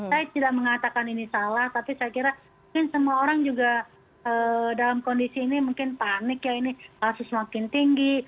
saya tidak mengatakan ini salah tapi saya kira mungkin semua orang juga dalam kondisi ini mungkin panik ya ini kasus makin tinggi